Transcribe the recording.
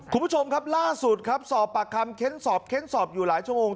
คุณผู้ชมครับล่าสุดครับสอบปากคำเค้นสอบเค้นสอบอยู่หลายชั่วโมง